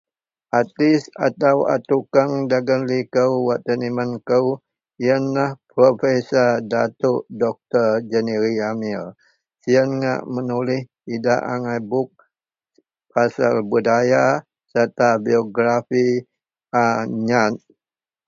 artis atau a tukang dagen liko wak teniman kou ienlah professor datuk doktor jeniri amir, siyen ngak menulih idak angai bup pasel budaya serta biografi a nyat